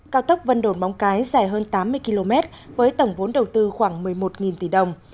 cao tốc vân đồn móng cái dài hơn tám mươi km với tổng vốn đầu tư khoảng một mươi một tỷ đồng